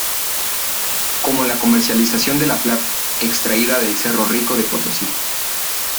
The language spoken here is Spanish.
Como la comercialización de la plata, extraída del cerro rico de Potosí.